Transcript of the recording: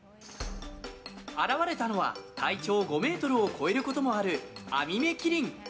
現れたのは体長５ｍを超えることもあるアミメキリン。